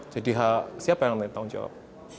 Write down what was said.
jadi siapa yang akan menjawab